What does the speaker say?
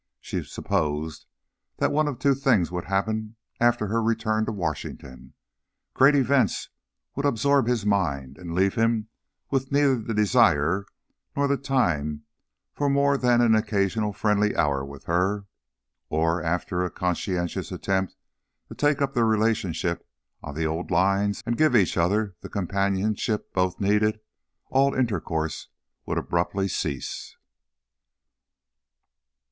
She supposed that one of two things would happen after her return to Washington: great events would absorb his mind and leave him with neither the desire nor the time for more than an occasional friendly hour with her; or after a conscientious attempt to take up their relationship on the old lines and give each other the companionship both needed, all intercourse would abruptly cease.